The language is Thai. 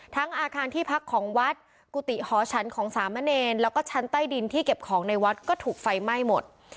อาคารที่พักของวัดกุฏิหอฉันของสามเณรแล้วก็ชั้นใต้ดินที่เก็บของในวัดก็ถูกไฟไหม้หมด